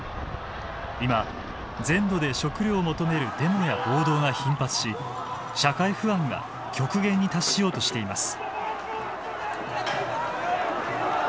今全土で食料を求めるデモや暴動が頻発し社会不安が極限に達しようとしています。